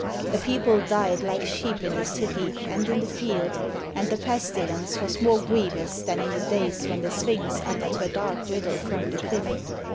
The people died like sheep in the city and in the field, and the pestilence was more grievous than in the days when the Sphinx uttered her dark riddle from the cliff.